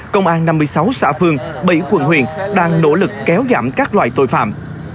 công an năm mươi sáu xã phương bảy quận huyện đang nỗ lực kéo giảm các loại tội phạm